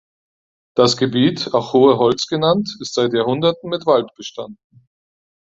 Das Gebiet, auch "Hohe Holtz" genannt, ist seit Jahrhunderten mit Wald bestanden.